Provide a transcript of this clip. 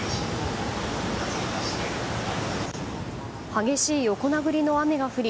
激しい横殴りの雨が降り